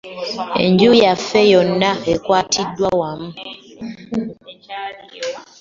Enju yaffe yonna ekwatidde wamu.